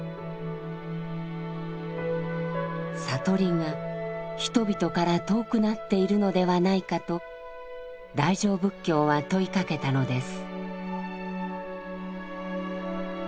悟りが人々から遠くなっているのではないかと大乗仏教は問いかけたのです。